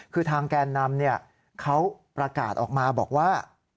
คือทางแกนนำเขาประกาศออกมาบอกว่า